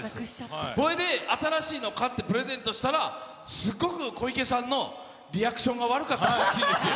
それで新しいの買ってプレゼントしたらすっごく小池さんのリアクションが悪かったらしいんですよ。